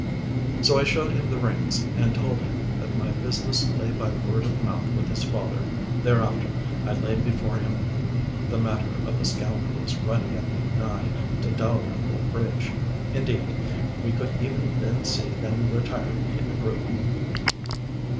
So I showed him the rings, and told him that my business lay by word of mouth with his father. Thereafter I laid before him the matter of the scoundrels running at me nigh to Dalrymple bridge. Indeed, we could even then see them retiring in a group.